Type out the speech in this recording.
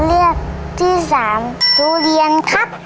ตัวเลือกที่๓ทุเรียนครับ